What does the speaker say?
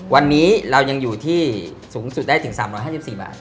วันนี้เรายังอยู่ที่สูงสุดได้ถึง๓๕๔บาท